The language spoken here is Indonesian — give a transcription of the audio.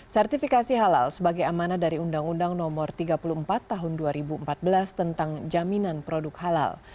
sertifikasi halal sebagai amanah dari undang undang no tiga puluh empat tahun dua ribu empat belas tentang jaminan produk halal